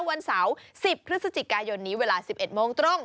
วันเสาร์๑๐พฤศจิกายนนี้เวลา๑๑โมงตรง